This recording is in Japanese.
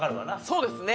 そうですね。